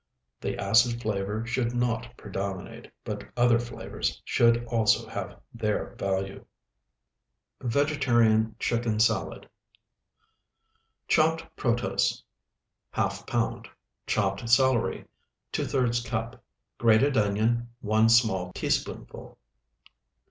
The acid flavor should not predominate, but other flavors should also have their value. VEGETARIAN CHICKEN SALAD Chopped protose, ½ pound. Chopped celery, ⅔ cup. Grated onion, 1 small teaspoonful.